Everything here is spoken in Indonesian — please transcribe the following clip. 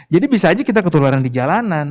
jadi bisa aja kita ketularan di jalanan